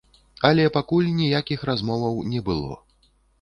Але пакуль ніякіх размоваў не было.